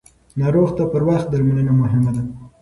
ناروغ ته پر وخت درملنه مهمه ده.